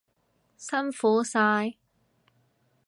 辛苦晒！